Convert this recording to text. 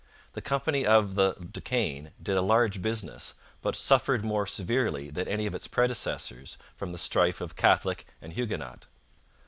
The Company of the De Caens did a large business, but suffered more severely than any of its predecessors from the strife of Catholic and Huguenot.